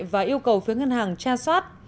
và yêu cầu phía ngân hàng tra soát